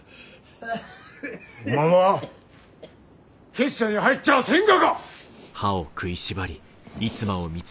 おまんは結社に入っちゃあせんがか？